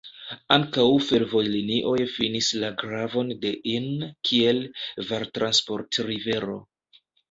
Ankaŭ fervojlinioj finis la gravon de Inn kiel vartransportrivero.